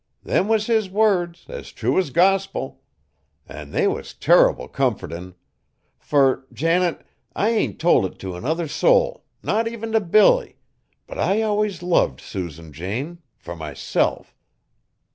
Them was his words, as true as gospil. An' they was turrible comfortin'. Fur, Janet, I ain't told it t' another soul, not even t' Billy, but I always loved Susan Jane fur myself.